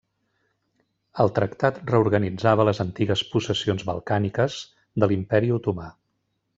El tractat reorganitzava les antigues possessions balcàniques de l'Imperi Otomà.